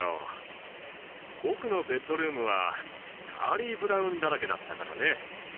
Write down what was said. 僕のベッドルームはチャーリー・ブラウンだらけだったからね。